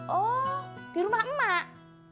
oh di rumah emak